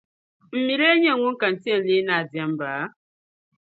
M mi lee nyɛ ŋuni ka n ti yɛn leei naa deemba?